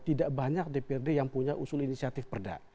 tidak banyak dprd yang punya usul inisiatif perda